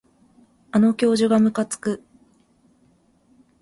あの教授がむかつく